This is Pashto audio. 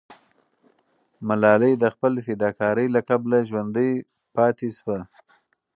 ملالۍ د خپل فداکارۍ له کبله ژوندی پاتې سوه.